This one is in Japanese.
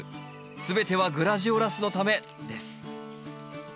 全てはグラジオラスのためです。